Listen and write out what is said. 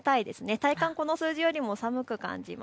体感はこの数字より寒く感じます。